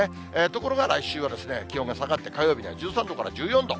ところが来週は気温が下がって、火曜日には１３度から１４度。